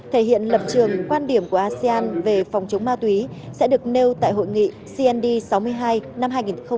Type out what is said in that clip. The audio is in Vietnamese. thể hiện lập trường quan điểm của asean về phòng chống ma túy sẽ được nêu tại hội nghị cnd sáu mươi hai năm hai nghìn hai mươi